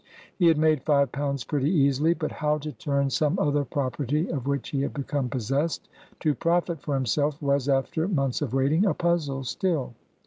He had made five pounds pretty easily. But how to turn some other property of which he had become possessed to profit for himself was, after months of waiting, a puzzle still.